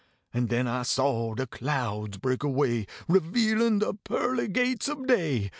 An den I saw de clouds break away, Revealin de pearly gates ob day.